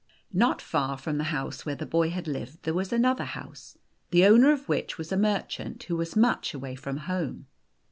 o Not far from the house where the boy had lived, there was another house, the owner of which was a merchant, who was much away from home.